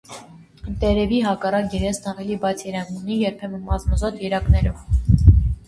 Տերևի հակառակ երեսն ավելի բաց երանգ ունի, երբեմն մազմզոտ երակներով։